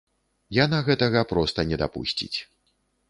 Яна гэтага проста не дапусціць.